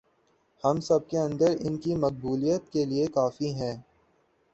ہم سب کے اندر ان کی مقبولیت کے لئے کافی ہیں